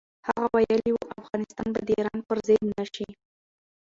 هغه ویلي و، افغانستان به د ایران پر ضد نه شي.